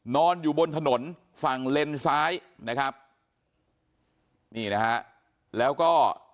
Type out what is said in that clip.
นอนอยู่บนถนนฝั่งเลนซ้ายนะครับนี่นะฮะแล้วก็